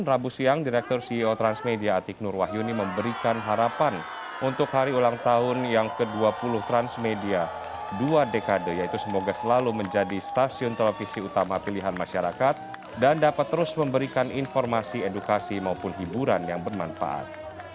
rabu siang direktur ceo transmedia atik nur wahyuni memberikan harapan untuk hari ulang tahun yang ke dua puluh transmedia dua dekade yaitu semoga selalu menjadi stasiun televisi utama pilihan masyarakat dan dapat terus memberikan informasi edukasi maupun hiburan yang bermanfaat